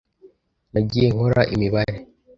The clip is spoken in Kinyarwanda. Nagiye nkora imibare.